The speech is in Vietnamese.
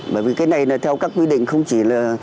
bởi vì cái này là theo các quy định không chỉ là